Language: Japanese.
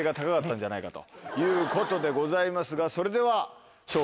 ということでございますがそれでは。